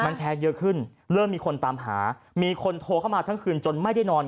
มันแชร์เยอะขึ้นเริ่มมีคนตามหามีคนโทรเข้ามาทั้งคืนจนไม่ได้นอน